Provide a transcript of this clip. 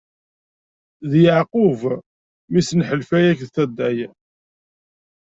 D Yeɛqub, mmi-s n Ḥalfay akked Taday.